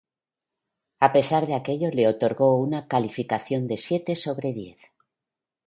A pesar de aquello le otorgó una calificación de siete sobre diez.